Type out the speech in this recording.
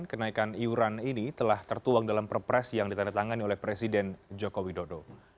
kenaikan iuran ini telah tertuang dalam perpres yang ditandatangani oleh presiden joko widodo